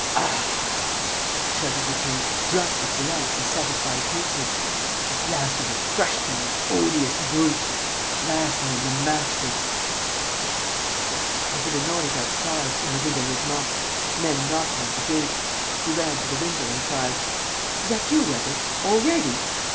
"Ah!" shouted Lupin, drunk with delight and satisfied hatred. "At last I have crushed you, you odious brute! At last I am the master!" He heard a noise outside, in the Rue Delaizement; men knocking at the gate. He ran to the window and cried: "Is that you, Weber? Already?